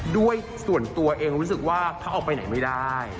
ด้วยส่วนตัวเองรู้สึกว่าเขาออกไปไหนไม่ได้